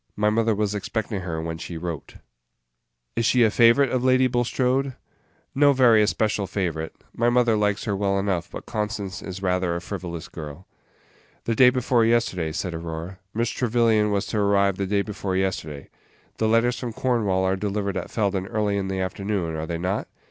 My mother was expecting her when she wrote." "Is she a favorite of Lady Bulstrode?" "No very especial favorite. My mother likes her well enough; but Constance is rather a frivolous girl." "The day before yesterday," said Aurora; "Miss Trevyllian was to arrive the day before yesterday. The letters from Cornwall are delivered at Felden early in the afternoon, are they not?"